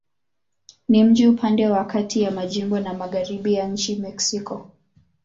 Ni mji upande wa kati ya jimbo na magharibi ya nchi Mexiko.